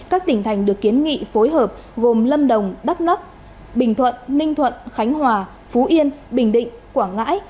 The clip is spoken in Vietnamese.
các tỉnh thành được kiến nghị phối hợp gồm lâm đồng đắk nắp bình thuận ninh thuận khánh hòa phú yên bình định quảng ngãi